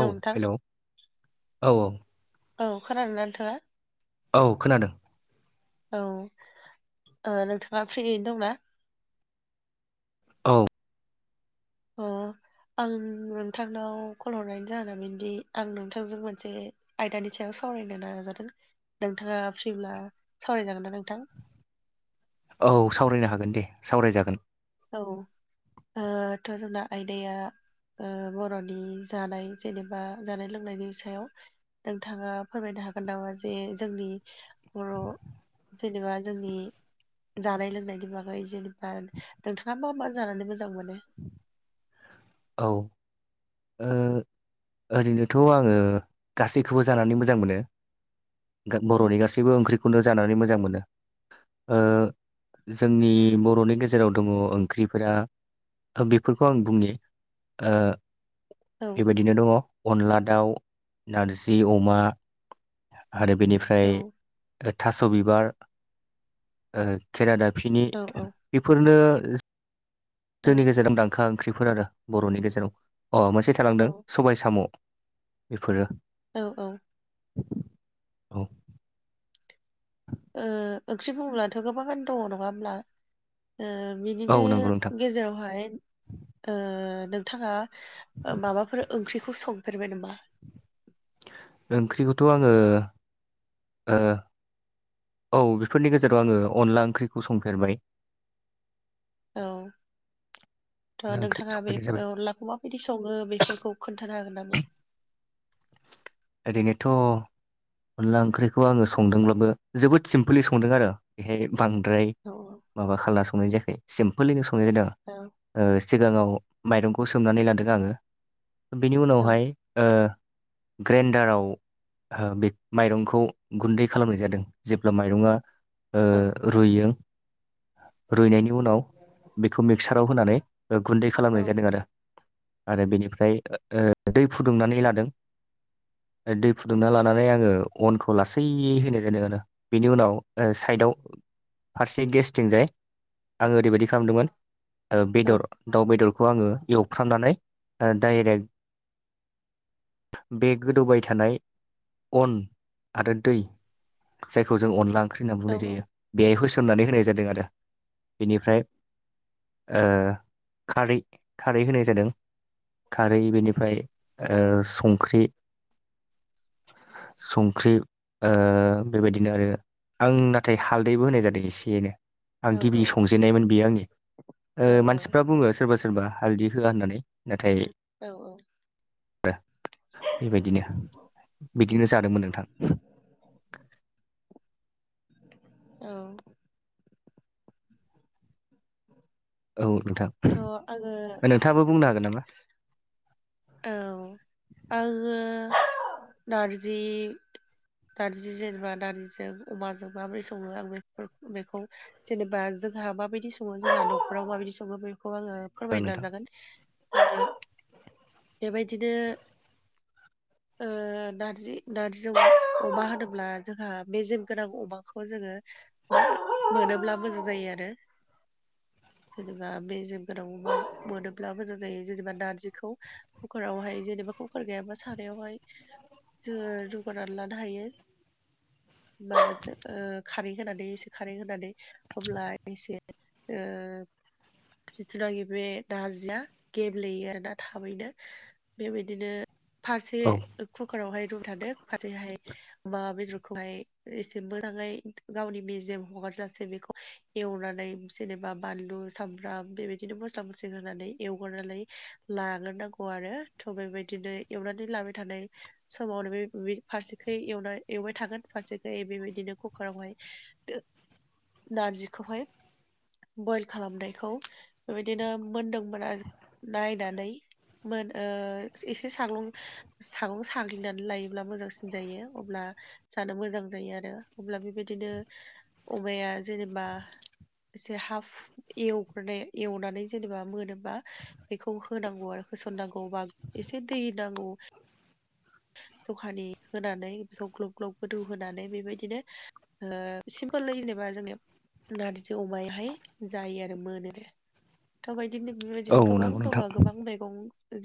औ हेल' औ औ। औ खोनादो ना नोंथाङा? औ खोनादों। औ, ओ नोंथाङा फ्रियैनो दंना? औ। अ आं नोंथांनाव कल हरनायनि जाहोन बिनोदि आं नोंथांजों मोनसे आयदानि सायाव सावरायनो नाजादों। नोंथाङा फ्रिब्ला सावरायजागोन ना नोंथां? औ सावरायनो हागोन दे सावरायजागोन। औ ओ थ' जोंना आयदाया ओ बर'नि जानाय जेनेबा जानाय लोंनायनि सायाव नोंथाङा फोरमायनो हागोन नामा जे जोंनि बर' जेनेबा जोंनि जानाय लोंनायनि बागै जेनेबा नोंथाङा मा मा जानानै मोजां मोनो? औ। ओ ओरैनोथ' आङो गासैखौबो जानानै मोजां मोनो। गा औ बर'नि गासैबो ओंख्रिखौनो जानानै मोजां मोनो। ओ जोंनि बर'नि गेजेराव दङ ओंख्रिफोरा बेफोरखौ आं बुंनि ओ औ बेबायदिनो दङ अनला दाउ, नारजि अमा आरो बेनिफ्राय औ ओमफ्राय थास' बिबार ओ खेरा दाफिनि औ बेफोरनो औ जोंनि गेजेराव दांखा ओंख्रिफोरानो बर'नि गेजेराव, अ मोनसे औ थालांदों सबाय साम'। बेफोरो औ औ। औ ओ ओंख्रि बुंब्ला थो गोबागान दङ नङा होमब्ला। ओ औ बिनिनो नंगौ नोंथां गेजेरावहाय ओ नोंथाङा माबाफोर ओंख्रिखौ संफेरबाय नामा? ओंख्रिखौथ' आङो ओ औ बेफोरनि गेजेराव आङो अनला ओंख्रिखौ संफेरबाय औ थ' अनला ओंख्रि नोंथाङा बे संफेरनाय जाबाय अनलाखौबा बिदि सङो बेफोरखौ खोन्थानो हागोन नामा? ओरैनोथ' अनला ओंख्रिखौ आङो संदोंब्लाबो जोबोद सिमपलि संदों आरो बेहाय बांद्राय औ औ माबा खाला संनाय जायाखै सिमपोलैनो संनाय जादों औ। ओ सिगाङाव माइरंखौ सोमनानै लादों आङो बिनि औ उनावहाय ओ ग्रेन्डाराव ओ बे माइरंखौ गुन्दै खालामनाय जादों जेब्ला माइरङा ओ औ रुइयो रुइनायनि उनाव बेखौ मिक्साराव होनानै ओ गुन्दै औ खालामनाय जादों आरो, आरो बेनिफ्राय ओ दै फुदुंनानै लादों। दै फुदुंना लानानै आङो अनखौ लासैयै होनाय जादों आरो। बेनि उनाव साइदआव फारसे गेस्थिंजाय आङो ओरैबायाददि खालामदोंमोन बेदर दाउ बेदरखौ आङो एवफ्रामनानै डाइरेक्ट बे गोदौबाय थानाय अन आरो दै जायखौ जों अनला ओंख्रि होनना औ बुंनाय जायो। बेहाय होसोमनानै होनाय जादों आरो बेनिफ्राय ओ खारै खारै होनाय जादों। खारै बेनिफ्राय औ संख्रि संख्रि औ बेबायदिनो आरो आं नाथाय हालदैबो होनाय जादों एसेनो औ आं गिबि औ संजेन्नायमोन बेयो आंनि मानसिफ्रा बुङो सोरबा सोरबा हालद होआ होननानै नाथाय औ औ। बेबायदिनो बिदिनो जादोंमोन नोंथां। औ। [inaudible] औ नोंथां। थ' आङो नोंथाङाबो बुंनो हागोन नामा? औ आङो नारजि नारजि जेनेबा नारजिजों अमाजों माबोरै सङो आं बे बेखौ जेनेबा जोंहा माबायदि सङो जोंहा न'खराव माबायदि सङो बेखौ आङो औ फोरमायनो नोंथां नाजागोन बेबायदिनो ओ नारजि नारजि अमा होनोब्ला जोंहा मेजेम गोनां अमाखौ जोङो मोनोब्ला मोजां जायो आरो जेनेबा मेजेम गोनां मोनोब्ला मोजां जायो जेनेबा नारजिखौ कुकार आवहाय जेनेबा कुकार गैयाबा सारावहाय जोङो रुगानानै लानो हायो। माबासो ओ खारै होनानै एसे खारै होनानै अब्ला एसे ओ जिथुनाखि बे नारजिआ गेब्लेयो आरो ना थाबैनो बेबायदिनो फारसे औ कुकार आवहाय रुम थानो फारसेहाय माबा बेदरखौहाय एसे मोजाङै गावनि मेजेम हगारजसेै बेखौ एवनानै जेनेबा बानलु सामब्राम बेबायदिनो मस्ला मस्लि होनानै एवग्रोनानै लाग्रोनांगौ आरो थ' बेबायदिनो एवनानै लाबाय थानाय समावनो बे फारसेथिं एवनाय एवबाय थागोन फारसेथिं बेबायदिनो कुकार आवहाय नारजिखौहाय बयल खालामनायखौ बेबायदिनो मोन्दोंमोन आरो नायनानै मोन ओ एसे साग्लं सागं साग्लिनानै लायोब्ला मोजांसिन जायो अब्ला जानो मोजां जायो आरो अब्ला बेबायदिनो अमाया जेनेबा एसे हाफ एवग्रोनाय एवनानै जेनेबा मोनोबा बेखौ होनांगौ आरो होसननांगौ बा एसे दै नांगौ जखानि होनानै बेखौ [unintelligible] - ग्लब गोदौ होनानै बेबायदिनो सिमपोल जेनेबा जोंनि नारजि अमायाहाय जायो आरो मोनोे। थ'बायदिनो औ बेबायदिनो गोबां नंगौ दङ नोंथां गोबां मैगं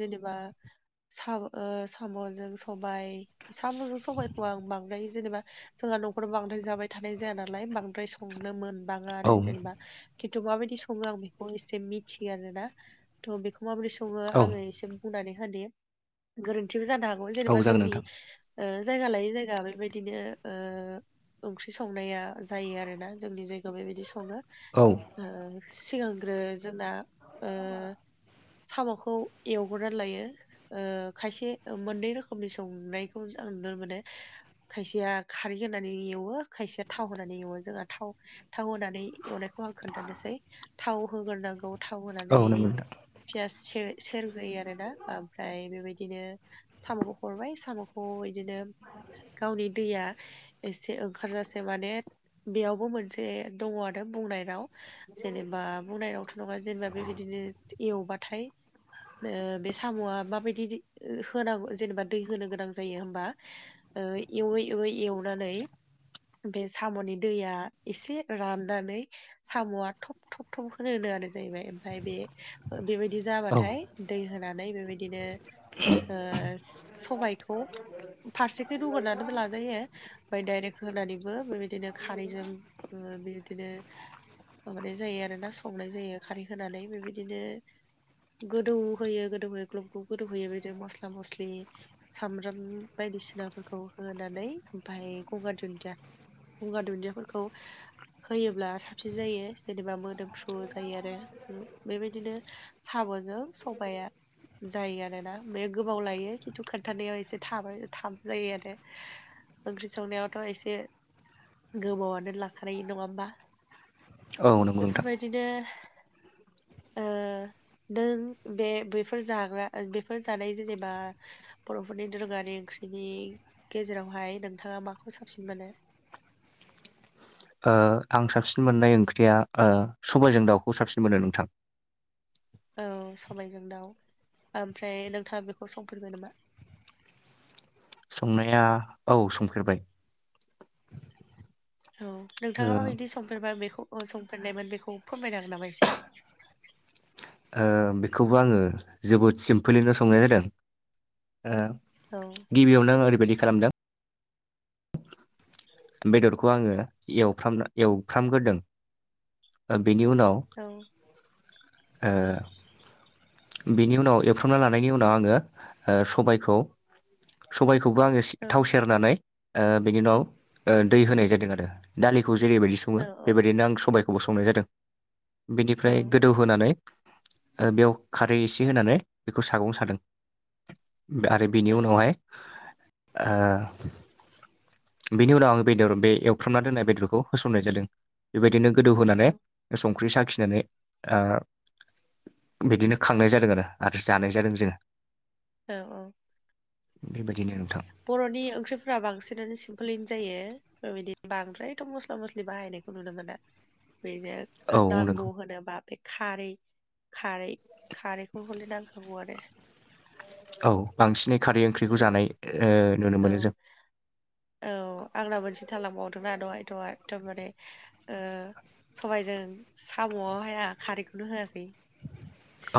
जेनेबा सा साम' जों सबाय साम'जों सबायखौ आं बांद्राय जेनेबा जोंहा न'खराव बांद्राय जाबाय थानाय जाया नालाय बांद्राय संनो मोनबाङा औ आरो जेनेबा खिन्थु माबायदि सङो आं बेखौ एसे मिथियो आरोना थ' बेखौ माबोरै सङो औ आङो एसे बुंनानै होनि गोरोन्थिबो जानो हागौ। औ जेनेबा जागोन जोंनि नोंथां जायगा लायै जायगा बेबायदिनो औ ओंख्रि संनाया जायो आरोना जोंनि जायगायाव बेबायदि सङो औ। ओ सिगांग्रो जोंना ओ साम'खौ एवग्रानै लायो ओ खायसे मोननै रोखोमनि संनायखौ आं नुनो मोनो। खायसेया खारै होनानै एवो खायसेया थाव होनानै एवो जोंहा थाव थाव होनानै एवनायखौ आं खोन्थानोसै थाव होग्रोनांगौ थाव औ होनानै नंगौ नोंथां पियास सेर सेरग्रोयो आरो ना ओमफ्राय बेबायदिनो साम'खौ हरबाय साम'खौ बिदिनो गावनि दैया एसे ओंखारजासे माने बेयावबो मोनसे दङ आरो बुंनायनाव जेनेबा बुंनायावथ' नङा जेनेबा बेबायदिनो एवबाथाय ओ बे साम'आ माबायदि होनांगौ जेनेबा दै होनो गोनां जायो होमबा ओ एवै - एवै एवनानै बे साम'नि दैया एसे राननानै साम'आ थब- थब -थब होनो होनोानाय जाहैबाय ओमफफ्राय बे बेबायदि औ जाबाथाय दै होनानै बेबायदिनो ओ सबायखौ फारसेखै रुगोरनानैबो लाजायो। ओमफ्राय डायरेक्ट होनानैबो बेबायदिनो खारैजों ओ बेदिनो माबानाय जायो आरो ना संनाय जायो खारै होनानै बेबायदिनो गोदौ होयो गोदौहोयो ग्लबखौ गोदौ होयो बिदिनो मस्ला मस्लि सामब्राम बायदिसिनाफोरखौ होनानै ओमाय गंगार दुन्दिया गुंगार दुन्दियाफोरखौ होयोब्ला साबसिन जायो जेनेबा मोदोमफ्रु जायो आरो बेबायदिनो साब'जों सबाया जायो आरोना। ओम गोबाव लायो खिन्थु खोनथानायाव एसे थाबाय थाब जायो आरो। ओंख्रि संनायावथ' एसे गोबावनो लाखानाय नङा होमबा। औ नंगौ बेफोर नोंथां बाय बिदिनो ओ नों बे बैफोर जाग्रा बे बेफोर जानाय जेनेबा बर'फोरनि दोरोङारि ओंख्रिनि गेजेरावहाय नोंथाङा माखौ साबसिन मोनो। ओ आं साबसिन मोननाय ओंख्रिया ओ सबायजों दाउखौ साबसिन मोनो नोंथां। औ सबायजों दाउ ओमफ्राय नोंथाङा बेखौ संफेरबाय नामा। संनाया औ संफेरबाय। औ नोंथाङा ओ माबायदि संफेरबाय बेखौ संफेरनायमोन बेखौ फोरमायन हांगोन नामा एसे। ओ बेखौबो आङो जोबोद सिम्पलिनो संनाय जादों ओ औ। गिबियावनो आं ओरैबायदि खालामदों बेदरखौ आङो एवफ्राम एवफ्रामग्रोदों बेनि उनाव औ। ओ बेनि उनाव एवफ्रमना लानायनि उनाव आङो ओ- सबायखौ सबायखौबो आङो औ थाव सेरनानै ओ- बेनि उनाव दै होनाय जादों आरो दालिखौ जेरैबायदि सङो औ बेबायदिनो आं सबायखौ खौ ब संनाय जादों बेनिफ्राय औ गोदौहानै बेयाव खारै एसे होनानै बेखौ सागं सादों आरो बेनि औ उनावहाय ओ बिनि उनाव आं बेदर बे एवफ्रामना दोननाय बेदरखौ होसननाय जादों बेबायदिनो गोदौ होनोनानै औ संख्रि साखिनानै ओ बिदिनो खांनाय जादों आरो आरो जानाय जादों जोङो। औ -औ। बेबायदिनो नोंथां बर'नि ओंख्रिफोरा बांसिनानो सिमपोलैनो जायो। ओ बेबायदि बांद्रायथ' मस्ला मस्लि बाहायनायखौ नुनो मोना। बेनो औ नांगौ नंगौ होनोबा बे खारै खारै खारैखौ हले नांखागौ आरो औ बांसिनै खारै ओंख्रिखौ औ जानाय नुनो मोनो जों औ औ आंना मोनसे थालांबावदोंना दहाय आ दहाय एदमबारे सबायजों सामआव हाया खारैखौनो होआसै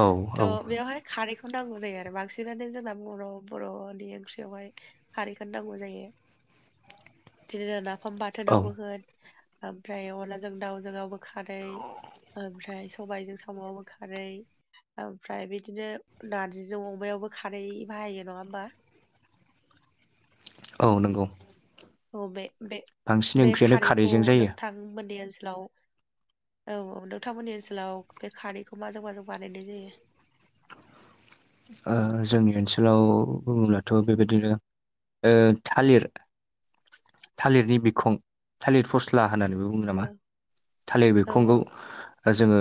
औ त औ बियावहाय खारैखौ नांगौ जायो आरो बांसिनानो जोंना बर' बरनि ओंख्रियावहाय खारैखौ नांगौ जायो। बिदिनो नाफाम औ बाथोनावबो होन ओमफ्राय अनदलाजों दाउजोंआव बो खारै ओमफ्राय सबायाइजों सामआवबो खारै ओमफ्राय बिदिनो नारजिजों अमायावबो खारै बाहायो नंङा होमबा। औ नंगौ। औ बे बे बांसिन बे ओंख्रियानो खारैखौ खारैजों जायो नोंथां मोननि ओनसोलाव औ औ नोंथांमोननि ओनसोलाव बे खारैखौ माजों माजों बानायनाय जायो? ओ जोंनि ओनसोलाव बुङोब्लाथ बेबायदिनो ओ थालिर थालिरनि बिखुं थालिर फस्ला होननानै बुङो। बुं नामा थालिर औ बिखंखौ जोंङो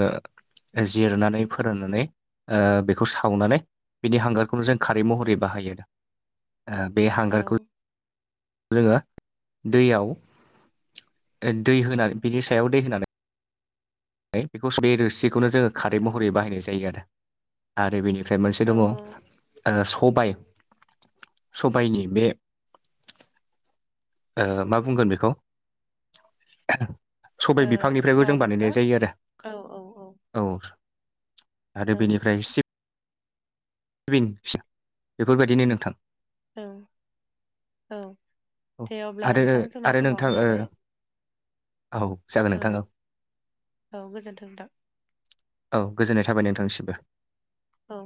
जिरनानै फोराननानै ओ बेखौ सावनानै बिदि हांगारखौनो जों खारै महरै बाहायो बे औ हांगारखौ जोंङो दैयाव दै होनानै बिनि सायाव दै होनानै है बेखौ बे रोसिखौनो जोंङो खारै औ महरै बाहायनाय जायो आरो आरो बेनि ओमफ्राय मोनसे औ दङ सबाय सबायाइनि बे मा बुंगोन बेखौ? सबाय ओ बिफां निफ्रायबो जों मामोनबा बानायनाय जायो आरो। औ औ आरो औ बेनिफ्राय [inaudible] बेफोर बायदिनो नोंथां। औ औ औ दे अब्ला आरो नोंथां जोंना आरो नोंथां समाबो ओ जाबाय। औ। जागोन औ नोंथां औ गोजोनथों नोंथां। औ गोजोननाय थाबाय नोंथांनिसिमबो। औ।